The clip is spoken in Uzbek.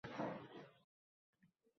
U doimo yordam berishini tushuntiring.